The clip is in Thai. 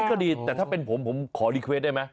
อันนี้ก็ดีแต่ถ้าเป็นผมผมขอรีเควสได้มั้ย